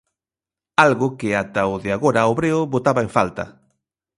Algo que ata o de agora o Breo botaba en falta.